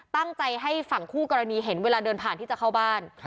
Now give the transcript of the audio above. ตั้งใจให้ฝั่งคู่กรณีเห็นเวลาเดินผ่านที่จะเข้าบ้าน